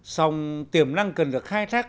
sòng tiềm năng cần được khai thác